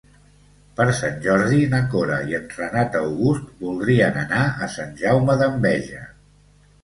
Per Sant Jordi na Cora i en Renat August voldrien anar a Sant Jaume d'Enveja.